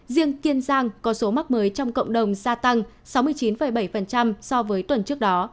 riêng kiên giang có số mắc mới trong cộng đồng gia tăng sáu mươi chín bảy so với tuần trước đó